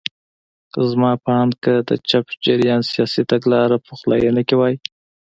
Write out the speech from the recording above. زما په اند که د چپ جریان سیاسي تګلاره پخلاینه کې وای.